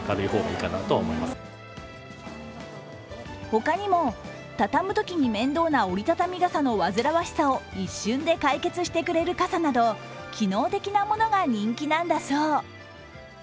他にも、畳むときに面倒な折りたたみ傘の煩わしさを一瞬で解決してくれる傘など機能的なものが人気なんだそう。